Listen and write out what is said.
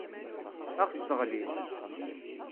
Ad aɣ-sseɣlin.